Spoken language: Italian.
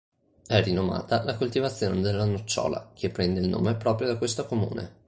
È rinomata la coltivazione della nocciola, che prende il nome proprio da questo comune.